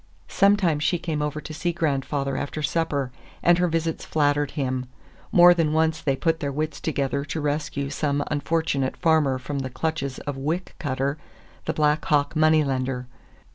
Sometimes she came over to see grandfather after supper, and her visits flattered him. More than once they put their wits together to rescue some unfortunate farmer from the clutches of Wick Cutter, the Black Hawk money lender.